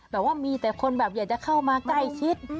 แบบว่ามีแต่คนแบบอยากจะเข้ามาใกล้ชิด